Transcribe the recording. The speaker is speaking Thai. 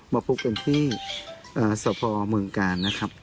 มาพบกันที่สพเมืองกาลนะครับ